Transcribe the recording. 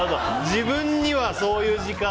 自分にはそういう時間。